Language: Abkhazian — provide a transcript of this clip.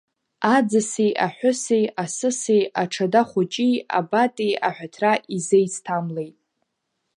Аӡыси аҳәыси, асыси, аҽада хәыҷи, абати аҳәаҭра изеицҭамлеит.